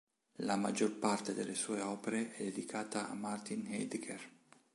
La maggior parte delle sue opere è dedicata a Martin Heidegger.